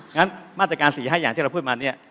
งั้นมาตรการสีให้อย่างที่เราพูดมานี้